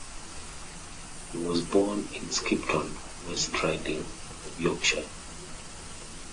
He was born in Skipton, West Riding of Yorkshire.